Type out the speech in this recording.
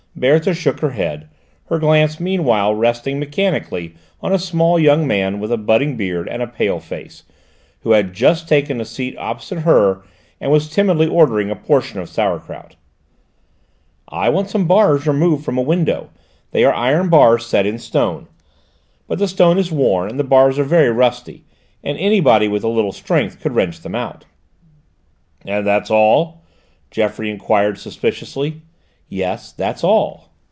Berthe shook her head, her glance meanwhile resting mechanically on a small young man with a budding beard and a pale face, who had just taken a seat opposite her and was timidly ordering a portion of sauerkraut. "I want some bars removed from a window; they are iron bars set in stone, but the stone is worn and the bars are very rusty, and anybody with a little strength could wrench them out." "And that's all?" Geoffroy enquired suspiciously. "Yes, that's all."